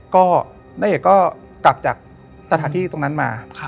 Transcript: ก็ณเอกก็กลับจากสถานที่ตรงนั้นมา